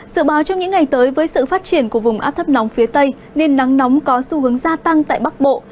dự báo trong những ngày tới với sự phát triển của vùng áp thấp nóng phía tây nên nắng nóng có xu hướng gia tăng tại bắc bộ